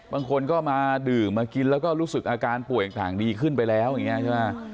บางคนก็มาดื่มมากินแล้วก็รู้สึกอาการป่วยต่างดีขึ้นไปแล้วอย่างนี้ใช่ไหม